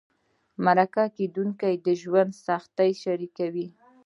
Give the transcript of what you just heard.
مرکه کېدونکي د ژوند سختۍ شریکوي.